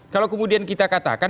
kalau kemudian kita katakan